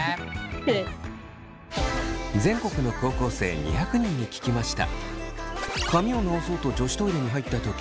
全国の高校生２００人に聞きました。